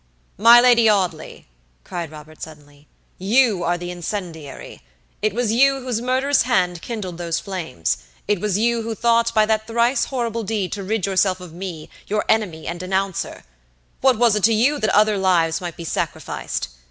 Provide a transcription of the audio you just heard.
"My Lady Audley," cried Robert, suddenly, "you are the incendiary. It was you whose murderous hand kindled those flames. It was you who thought by that thrice horrible deed to rid yourself of me, your enemy and denouncer. What was it to you that other lives might be sacrificed?